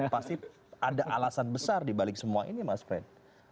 pasti ada alasan besar dibalik semua ini mas fred